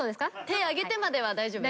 手挙げてまでは大丈夫。